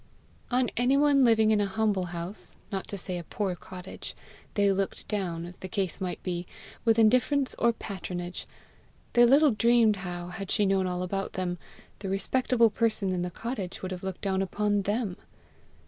On anyone living in a humble house, not to say a poor cottage, they looked down, as the case might be, with indifference or patronage; they little dreamed how, had she known all about them, the respectable person in the cottage would have looked down upon THEM!